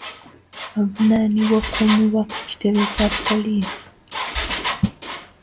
Avunaanibwa akuumibwa ku kitebe kya poliisi.